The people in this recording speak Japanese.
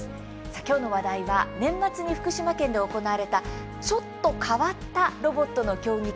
今日の話題は年末に福島県で行われたちょっと変わったロボットの競技会